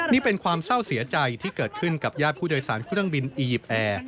นี่เป็นความเศร้าเสียใจที่เกิดขึ้นกับญาติผู้โดยสารเครื่องบินอียิปต์แอร์